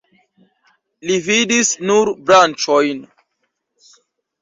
Li vidis nur branĉojn.